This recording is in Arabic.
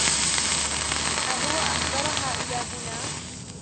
هو أحضرها إلى هنا.